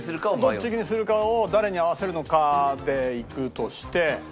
どっちにするかを誰に合わせるのかでいくとして。